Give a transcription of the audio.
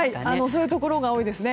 そういうところが多いですね。